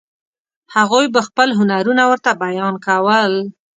هغوی به خپل هنرونه ورته بیان کول.